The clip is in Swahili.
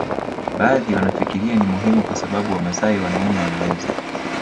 Baadhi wanafikiria ni muhimu kwa sababu Wamasai wanaume wanaweza